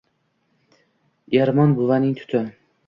Ermon buvaning tuti!